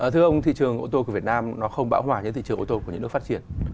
thưa ông thị trường ô tô của việt nam nó không bão hòa những thị trường ô tô của những nước phát triển